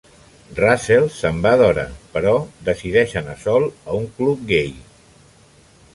Russell se'n va d'hora, però decideix anar sol a un club gai.